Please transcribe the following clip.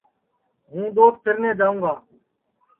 ہوں دؔوت پھیرنے جائوں گی